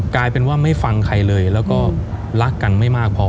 กลายเป็นว่าไม่ฟังใครเลยแล้วก็รักกันไม่มากพอ